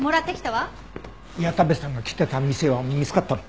矢田部さんが来てた店は見つかったの？